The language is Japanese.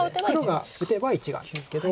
黒が打てば１眼ですけど。